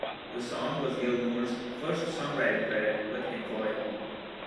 The song was Gilmour's first songwriting credit with Pink Floyd.